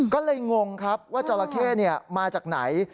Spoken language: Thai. ก็เลยงงครับว่าจราเข้มาจากไหน